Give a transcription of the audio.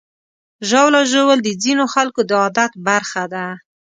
ژاوله ژوول د ځینو خلکو د عادت برخه ده.